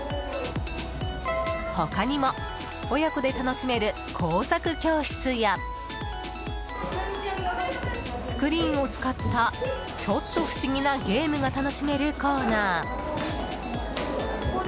他にも、親子で楽しめる工作教室やスクリーンを使ったちょっと不思議なゲームが楽しめるコーナー。